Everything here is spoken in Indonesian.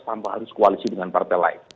tanpa harus koalisi dengan partai lain